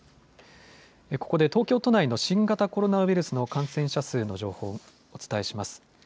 ここで東京都内の新型コロナウイルスの感染者数の情報をお伝えします。